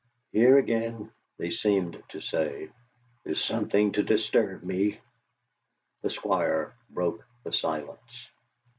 'Here, again,' they seemed to say, 'is something to disturb me!' The Squire broke the silence.